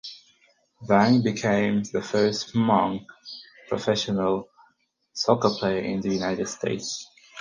Vang became the first Hmong professional soccer player in the United States.